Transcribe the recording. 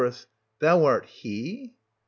Thou art he ?